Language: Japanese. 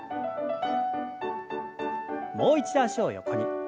もう一度脚を横に。